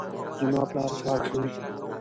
زما پلار کار کوي